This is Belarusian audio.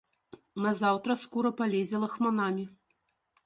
Назаўтра скура палезе лахманамі.